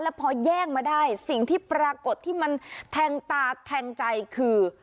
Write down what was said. พอแย่งมาได้สิ่งที่ปรากฏที่มันแทงตาแทงใจคือ